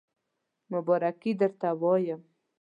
مبارکی درته وایم